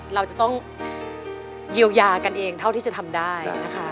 เราจะต้องเยียวยากันเองเท่าที่จะทำได้นะคะ